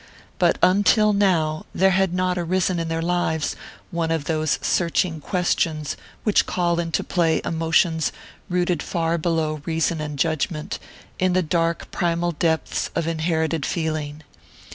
But until now there had not arisen in their lives one of those searching questions which call into play emotions rooted far below reason and judgment, in the dark primal depths of inherited feeling.